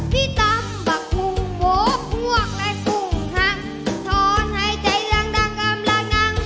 พี่ตำบักมุงโบ๊คพวกและกุ้งหังทอนให้ใจรังดังอำรักนัง